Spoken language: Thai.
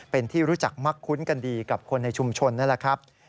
เป็นที่รู้จักมักคุ้นกันดีกับคนในชุมชนนั่นแหละครับ